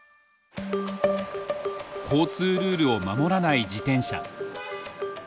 交通ルールを守らない自転車。